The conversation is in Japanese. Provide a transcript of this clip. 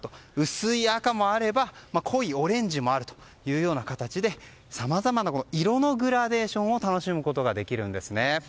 薄い赤もあれば、濃いオレンジもあるというような形でさまざまな色のグラデーションを楽しむことができるんですね。